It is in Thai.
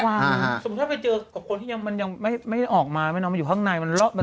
สมมุติถ้าไปเจอกับคนที่ยังไม่ออกมาไม่น้องมันอยู่ข้างในมันรอมันตก